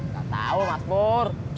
gak tau mas pur